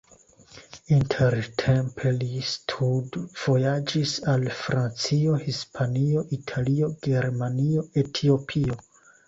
Intertempe li studvojaĝis al Francio, Hispanio, Italio, Germanio, Etiopio.